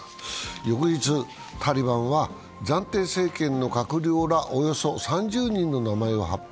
翌日、タリバンは暫定政権の閣僚らおよそ３０人の名前を発表。